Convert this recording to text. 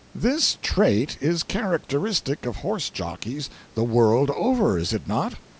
This traits is characteristic of horse jockeys, the world over, is it not?